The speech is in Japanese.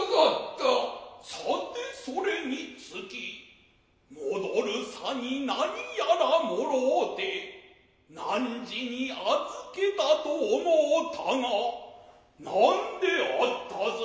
さてそれにつき戻るさに何やら貰うて汝に預けたと思うたがなんであったぞ。